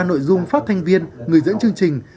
nội dung phát thanh viên người dẫn chương trình